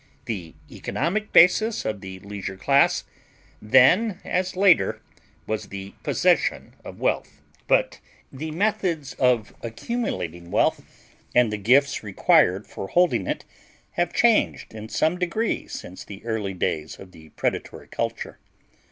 The economic basis of the leisure class, then as later, was the possession of wealth; but the methods of accumulating wealth, and the gifts required for holding it, have changed in some degree since the early days of the predatory culture.